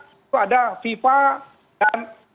itu ada viva dan